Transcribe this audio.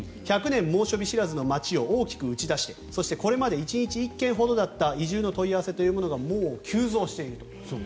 １００年猛暑日知らずの街を大きく打ち出したそしてこれまで１日１件ほどだった移住の問い合わせがもう急増していると。